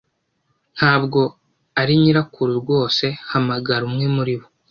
Ntabwo ari nyirakuru rwose Hamagara umwe muri bo